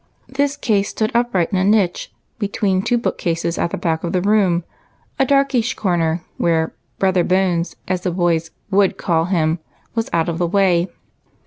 This case stood upright in a niche between two book cases at the back of the room, a darkish corner, where Brother Bones, as the boys would call him, was out of the way.